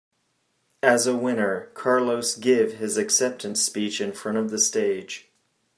As a winner, Carlos give his acceptance speech in front of the stage.